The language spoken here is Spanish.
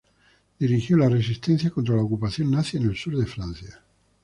Dirigió la resistencia contra la ocupación nazi en el sur de Francia.